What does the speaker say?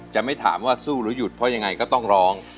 จะไม่ถามว่าสู้หรือหยุดเพราะยังไงก็ต้องร้อง